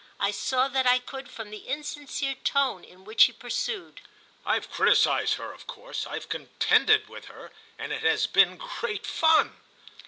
I saw that I could from the insincere tone in which he pursued: "I've criticised her of course, I've contended with her, and it has been great fun."